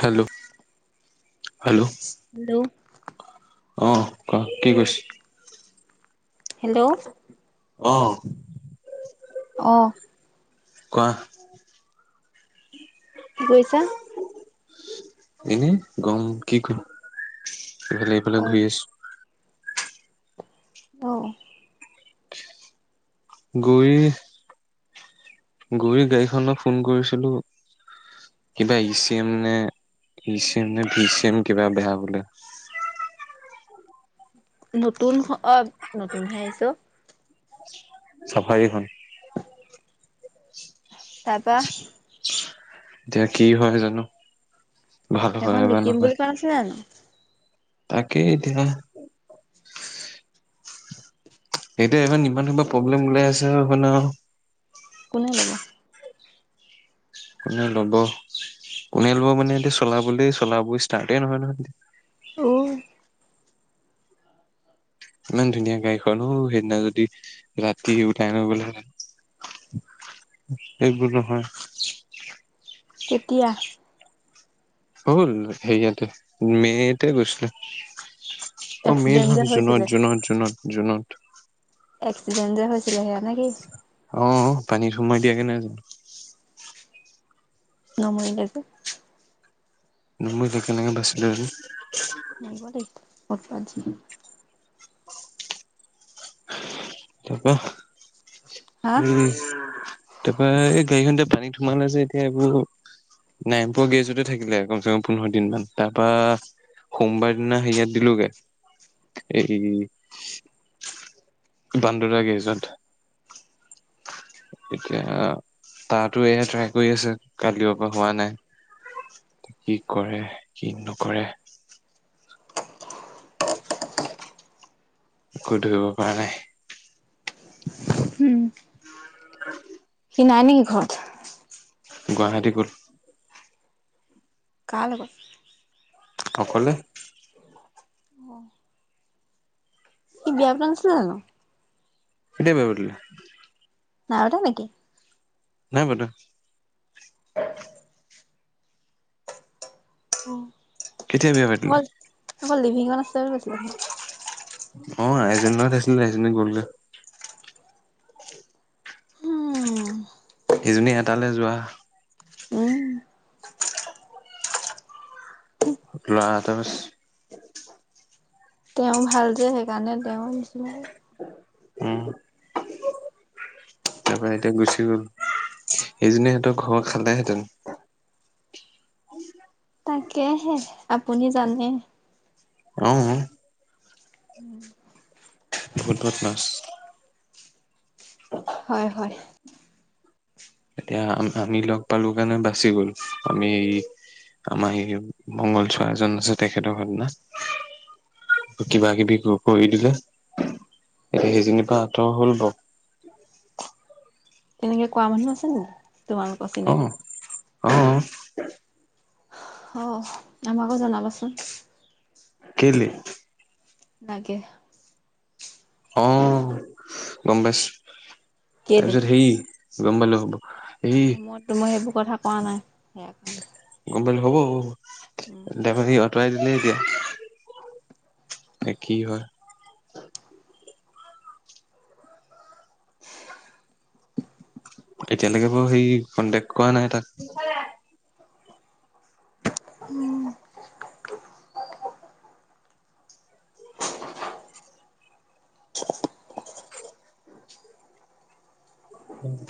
Hello, hello hello. অ' কোৱা, কি কৈছে? হেল্ল' অ'। অ'। কোৱা। [inaudible] কি কৰিচা? এনে গৰম কি কম, এইফালে অ এইফালে ঘূৰি আছো। অ'। গৈয়ে, গৈয়ে গাড়ীখনক ফোন কৰিছিলো। কিবা ই চি এম নে, ই চি এম নে ভি চি এম কিবা বেয়া বোলে। নতুন অ' নতুনহে আহিছো। চাফাৰীখন। তাৰপা [inaudible] এতিয়া কি হয় জানো। ভাল সেইখন হয় বা বিকিম বুলি নহয়, কোৱা নাছিলে জানো? তাকেই এতিয়া এতিয়া এইমান ইমান সবা প্ৰব্লেম ওলাই আছো। কোনে ল'ব। কোনে ল'ব, কোনে ল'ব মানে এতিয়া চলাবলে চলাব ষ্টাৰ্টেই নহয়, নহয়। অ'। ইমান ধুনীয়া গাড়িখন, উ সেইদিনা যদি ৰাতি উঠাই ন গ'লে। এইবুলো হয়। তেতিয়া হ'ল সেয়াতে মেতে গৈছিলো অ মেইন এক্সিডেণ্ট হ যে জুনত হৈছিলে জুনত জুনত জুনত এক্সিডেণ্ট যে হৈছিলে সেয়া নে কি অ পানীত সোমাই দিয়া কেনে জানো নমল দিছোঁ নমই কেনেকে বাচিলে আৰু মৰিব দেই কত পজ তাপা হা উম তাৰপৰা এই গাড়ীখন যে এতিয়া পানীত সোমালে যে এতিয়া এইবোৰ নাই পোৱা গেৰেজতে থাকিলে কমচে কম পোন্ধৰ দিন মান তাৰপৰা সোমবাৰ দিনা সে ইয়াত দিলোগে এই বান্দোৰা গেৰেজত এতিয়া তাতো এ ট্ৰাই কৰি আছে কালি পৰা হোৱা নাই কি কৰে কি নকৰে একো ধৰিবৰ পৰা নাই উম [inaudible] নাই নেকি ঘৰত গুৱাহাটী ক'ত কাৰ লগত অঁক'লে অঁ কি বিয়া কৰা নাছিলে জানো কেতিয়া বিয়া পাতিলে নাই পতা নেকি নাই পতা [inaudible] অ কেতিয়া বিয়া পাটিলে অকল লিমিহঁত আছে বুলি কৈছিলে অ এজনিলগত আহিছিলে এজনী গলগে উম সেইজনী এটালৈ যোৱা উম লৰা এটা বাছ তেওঁ ভাল যে সেইকাৰণে তেওঁ নিচিনাকে উম তাৰ পৰাৰা এতিয়া গুচি গ'ল সেইজনি ইহঁতৰ ঘৰ খালেহেঁতেন তাকেহে আপুনি জানে অ [inaudible] বহুত বহুত মাছ হয় হয় এতিয়া আ আমি লগ পালো কাৰণে বাচি গ'ল আমি আমাৰ এই মংগল চোৱা এজন আছে তেখেতৰ ঘটনা কিবা কিবি কৰি দিলে এতিয়া সেইজনীৰ পৰা আঁতৰ হল বাৰু এনেকে কোৱা মানুহ আছে নেকি তোমালোকৰ অ চিনাকি অ অ আমাকো জনাবাচোন কেলে নাগে অ গম পাইছো কেলে তাৰপিছত সেই গম পালে হ'ব এই সময়তো মই সেইবোৰ কথা কোৱা নাই। গমপালে হব উম এটিয়াবা কি হল আঁতৰাই দিলে এতিয়া কি হয় এতিয়ালৈকে বাৰু হেই কন্টেক্ কৰা নাই তাক উম,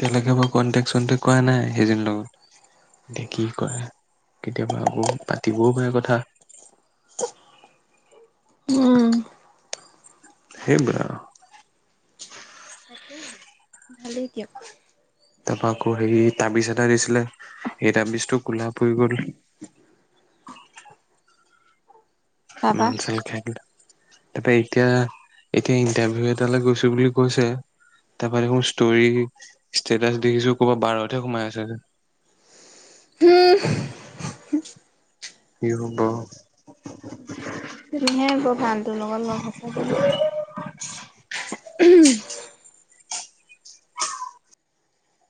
তেওঁলকে ব কনটেক্ চনটেক্ কৰা নাই সেইদ লগত এতিয়া কি কৰে কেতিয়াবা আকৌ পাতিবও পাৰে কথা উম, হেইবৰা তাকে আহে ভালেই কিয়ক তাৰপৰা আকৌ হেৰি তামিজ এটা দিছিলে সেই তামিজটো কোলা পৰি গ'ল তাৰপা মানচল খেল তাৰপা এতিয়া এতিয়া ইণ্টাৰভিউ এটালৈ গৈছো বুলি কৈছে তাৰপৰা দেখোন ষ্টৰ ষ্টেটাচ দেখিছো কৰ'ৰবাত বাৰতহে সোমাই আছে যে হুম, ই বা উম, হে ব গানটোৰ লগত লগ আছ দে উম